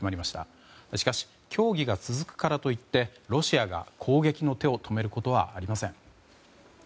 しかし、協議が続くからといってロシアが攻撃の手を止めることはありません。